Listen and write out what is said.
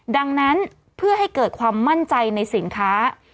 ดังนั้นเพื่อให้เกิดความมั่นใจในสินค้า